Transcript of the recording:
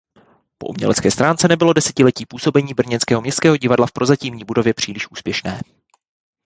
Po umělecké stránce nebylo desetiletí působení brněnského městského divadla v prozatímní budově příliš úspěšné.